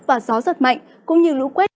và gió giật mạnh cũng như lũ quét